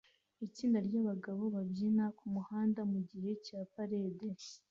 Itsinda ryabagabo babyina kumuhanda mugihe cya parade